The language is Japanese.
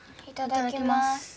いただきます。